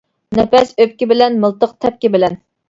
نەپەس ئۆپكە بىلەن، مىلتىق تەپكە بىلەن.